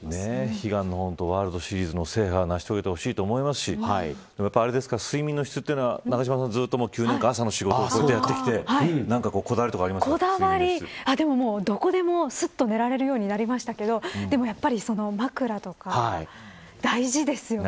悲願のワールドシリーズ制覇を成し遂げてほしいと思いますし睡眠の質は永島さん９年間ずっと朝の仕事をやってきてどこでも、すっと寝られるようになりましたけどでも、やっぱり枕とか大事ですよね。